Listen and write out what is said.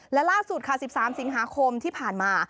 และล่าสุดค่ะ๑๓สิงหาคมที่ผ่านมา